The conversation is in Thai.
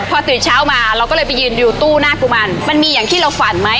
พอตื่นเช้ามาเราก็เลยไปยืนดูตู้หน้ากุมันมันมีอย่างที่เราฝันไหม